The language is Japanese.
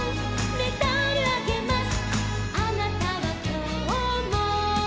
「メダルあげます」